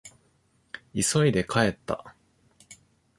急いで帰った。